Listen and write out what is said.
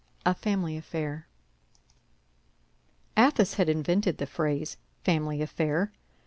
A FAMILY AFFAIR Athos had invented the phrase, family affair.